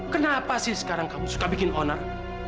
kenapa sih sekarang kamu suka bikin owner